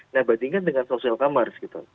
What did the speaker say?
nah berarti dengan social commerce